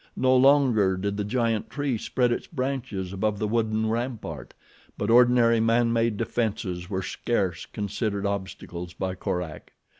No longer did the giant tree spread its branches above the wooden rampart; but ordinary man made defenses were scarce considered obstacles by Korak.